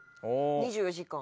２４時間。